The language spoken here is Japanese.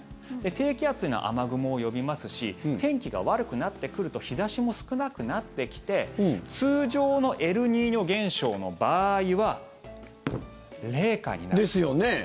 低気圧というのは雨雲を呼びますし天気が悪くなってくると日差しも少なくなってきて通常のエルニーニョ現象の場合は。ですよね？